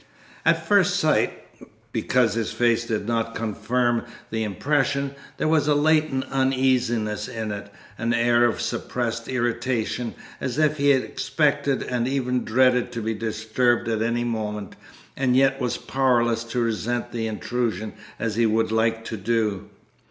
At first sight; because his face did not confirm the impression there was a latent uneasiness in it, an air of suppressed irritation, as if he expected and even dreaded to be disturbed at any moment, and yet was powerless to resent the intrusion as he would like to do.